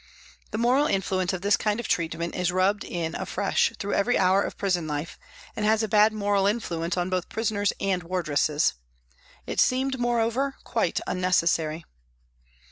The moral influence of this kind of treatment is rubbed in afresh through every hour of prison life and has a bad moral influence on both prisoners and wardresses. It seemed, moreover, quite unnecessary.